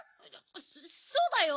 そそうだよ。